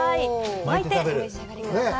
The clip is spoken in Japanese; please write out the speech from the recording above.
巻いてお召し上がりください。